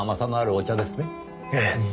ええ。